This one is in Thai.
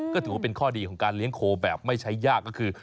ก็ถือว่าเป็นข้อดีของการเลี้ยงโคแบบไม่ใช้ยากก็คือ